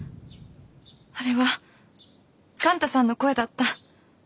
あれは勘太さんの声だった。